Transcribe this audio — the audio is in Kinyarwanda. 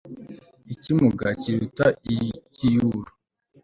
ikimuga kiruta igiyuro